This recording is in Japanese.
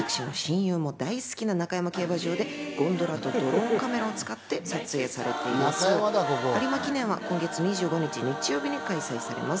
有馬記念は今月２５日、日曜日に開催されます。